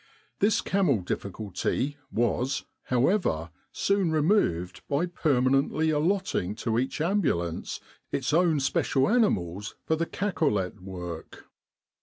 This camel difficulty was, however, soon removed by permanently allotting to each Ambulance its own 81 With the R.A.M.C. in Egypt special animals for the cacolet work.